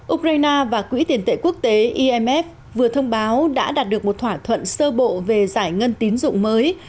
ukraine và quỹ tiền tệ quốc tế imf vừa thông báo đã đạt được một thỏa thuận sơ bộ về giải ngân tín dụng mới